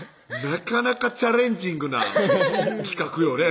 なかなかチャレンジングな企画よね